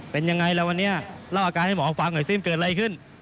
เป็นยังไงแล้ววันนี้เล่าอาการให้หมอออกฟังให้ซิมเกิดอะไรขึ้น